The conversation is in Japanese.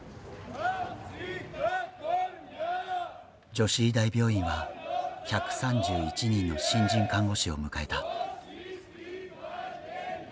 女子医大病院は１３１人の新人看護師を迎えた。